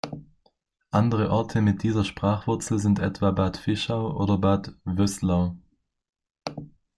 Andere Orte mit dieser Sprachwurzel sind etwa Bad Fischau oder Bad Vöslau.